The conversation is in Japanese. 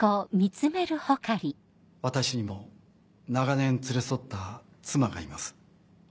私にも長年連れ添った妻がいます。